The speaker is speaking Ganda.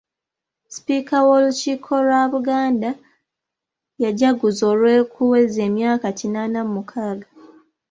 Sipiika w'Olukiiko lwa Buganda, yajaguzza olw'okuweza emyaka kinaana mu mukaaga.